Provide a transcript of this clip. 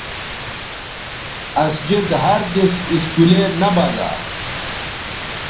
اسجد ہر دِس اسکولے نہ بزا